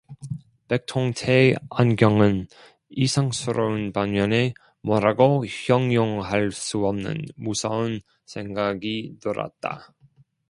백통테 안경은 이상스러운 반면에 뭐라고 형용할 수 없는 무서운 생각이 들었다.